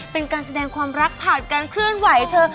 เป็นการแสดงความรักผ่านการเคลื่อนไหวเธอ